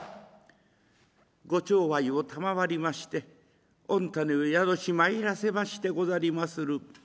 「ご寵愛を賜りまして御胤を宿しまいらせましてござりまする」。